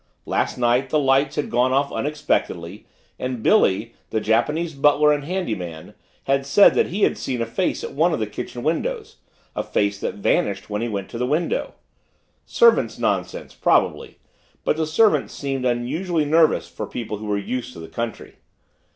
Last night the lights had gone off unexpectedly and Billy, the Japanese butler and handy man, had said that he had seen a face at one of the kitchen windows a face that vanished when he went to the window. Servants' nonsense, probably, but the servants seemed unusually nervous for people who were used to the country.